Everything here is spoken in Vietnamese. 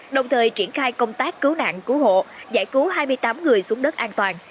đồng thời triển khai công tác cứu nạn cứu hộ giải cứu hai mươi tám người xuống đất an toàn